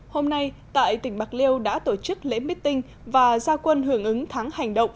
hôm nay tại tỉnh bạc liêu đã tổ chức lễ meeting và gia quân hưởng ứng tháng hành động